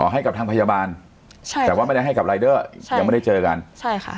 ให้กับทางพยาบาลใช่แต่ว่าไม่ได้ให้กับรายเดอร์ใช่ยังไม่ได้เจอกันใช่ค่ะ